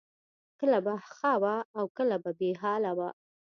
کله به ښه وه او کله به بې حاله وه